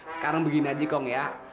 sekarang begini aja kong ya